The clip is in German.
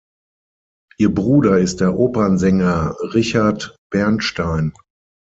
Ihr Bruder ist der Opernsänger Richard Bernstein.